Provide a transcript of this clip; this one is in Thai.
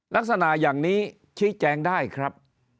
ลักษณะอย่างนี้ชี้แจงได้ครับ